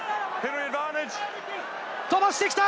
飛ばしてきた！